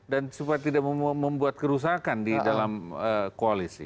dan supaya tidak membuat kerusakan di dalam koalisi